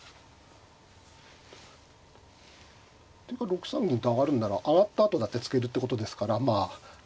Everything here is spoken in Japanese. ６三銀と上がるんなら上がったあとだって突けるってことですからまあ。